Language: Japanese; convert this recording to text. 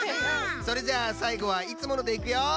それじゃあさいごはいつものでいくよ！